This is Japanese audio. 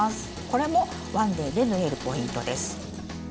これも１ｄａｙで縫えるポイントです。